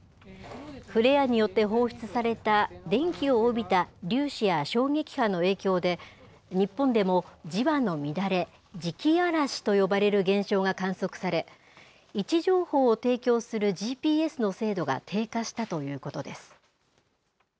フレアによって放出された電気を帯びた粒子や衝撃波の影響で、日本でも磁場の乱れ、磁気嵐と呼ばれる現象が観測され、位置情報を提供するＧＰＳの精度が低下したということです。